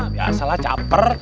biasa lah caper